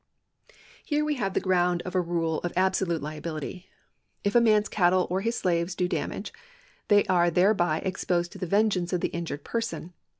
* Here we have the ground of a rule of absolute liability. If a man's cattle or his slaves do damage, they are thereby exposed to the vengeance of the injured person.